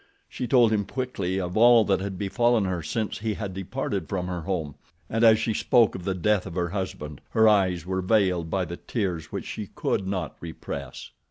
She told him quickly of all that had befallen her since he had departed from her home, and as she spoke of the death of her husband her eyes were veiled by the tears which she could not repress.